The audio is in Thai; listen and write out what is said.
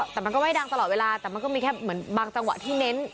แต่มันก็ไม่ดังตลอดเวลาแต่มันก็มีแค่เหมือนบางจังหวะที่เน้น